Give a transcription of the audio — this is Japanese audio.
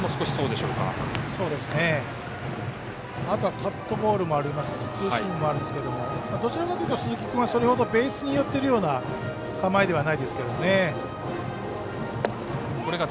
あとはカットボールもありますしツーシームもあるんですけどどちらかというと鈴木君はそれほどベースに寄ってるような構えじゃないですけどね。